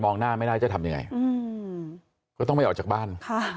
มองหน้าไม่ได้จะทำยังไงก็ต้องไปออกจากบ้าน